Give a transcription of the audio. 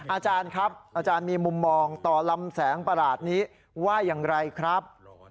อาจารย์ครับอาจารย์มีมุมมองต่อลำแสงประหลาดนี้ว่าอย่างไรครับ